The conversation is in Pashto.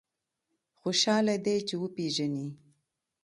خوشاله دی چې وپېژني.